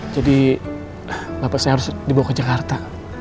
jadi bapak saya harus dibawa ke jakarta